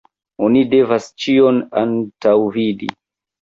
Oni devas ĉion antaŭvidi.